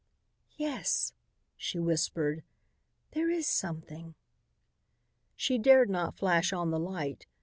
"Yes," she whispered, "there is something." She dared not flash on the light.